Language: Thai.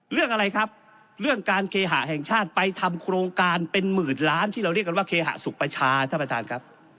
เรื่องอะไรครับเรื่องการเคหะแห่งชาติไปทำโครงการเป็นหมื่นล้านที่เราเรียกกันว่าเคหสุขประชาท่านประธานครับ